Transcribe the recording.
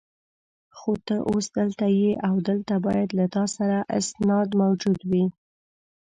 خو ته اوس دلته یې او دلته باید له تا سره اسناد موجود وي.